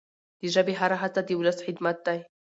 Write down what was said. د ژبي هره هڅه د ولس خدمت دی.